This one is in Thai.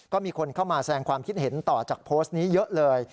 ก็มีคนเข้ามาแสดงความคิดเห็นต่อจากโพสต์นี้เยอะเลย